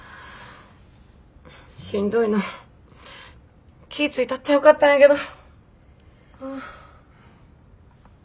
しんどいの気ぃ付いたったらよかったんやけど。